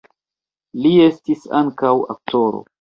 Li estis ankaŭ aktoro.